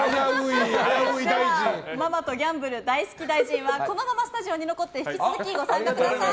ママとギャンブル大好き大臣はこのままスタジオに残ってご参加ください。